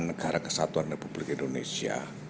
negara kesatuan republik indonesia